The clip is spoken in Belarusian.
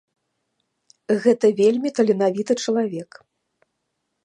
Гэта вельмі таленавіты чалавек.